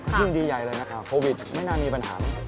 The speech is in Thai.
สิ้นดีใหญ่เลยนะครับโพวิดไม่น่ามีปัญหาเลย